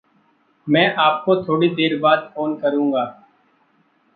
मैं आपको थोड़ी देर बाद फ़ोन करूँगा।